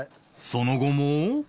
その後も